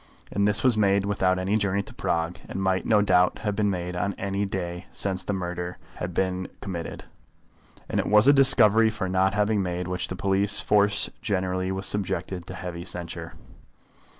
And this was made without any journey to Prague, and might, no doubt, have been made on any day since the murder had been committed. And it was a discovery for not having made which the police force generally was subjected to heavy censure.